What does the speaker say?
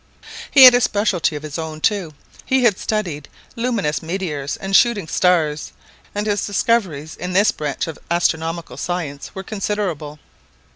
He had a specialty of his own, too; he had studied luminous meteors and shooting stars, and his discoveries in this branch of astronomical science were considerable.